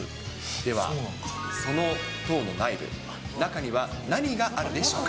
では、その塔の内部、中には何があるでしょうか。